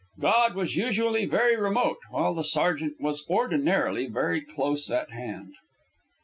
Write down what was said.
God was usually very remote, while the sergeant was ordinarily very close at hand.